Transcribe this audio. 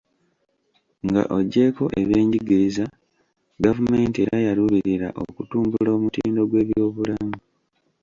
Nga oggyeko ebyenjigiriza, gavumenti era yaluubirira okutumbula omutindo gw'ebyobulamu.